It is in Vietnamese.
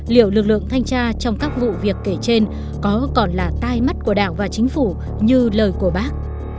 liệu lực lượng thanh tra trong các vụ việc kể trên có còn là tai mắt của đảng và chính phủ như lời của bác